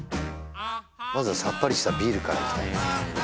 まずはさっぱりしたビールからいきたいね